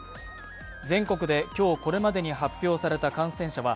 全国で今日これまでに発表された感染者は